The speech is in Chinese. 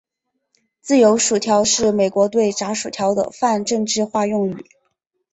自由薯条是美国对炸薯条的泛政治化用语。